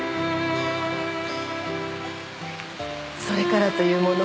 それからというもの